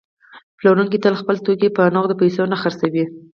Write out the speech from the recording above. پلورونکی تل خپل توکي په نغدو پیسو نه خرڅوي